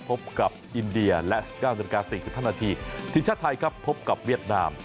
พบกับอินเดียและ๑๙นาฬิกา๔๕นาทีทีมชาติไทยครับพบกับเวียดนาม